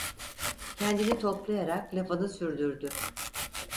Kendini toplayarak lafını sürdürdü: